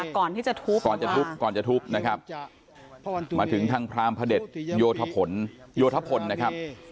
ก่อนที่จะทุบก่อนจะทุบก่อนจะทุบนะครับมาถึงทางพรามพระเด็จโยธผลโยธพลนะครับ